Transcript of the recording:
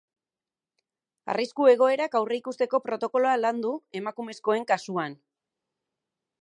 Arrisku egoerak aurreikusteko protokoloa landu, emakumezkoen kasuan.